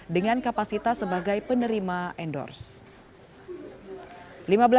dengan kapasitas sebagai penerima endorse